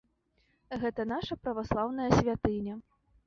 Гэта наша праваслаўная святыня.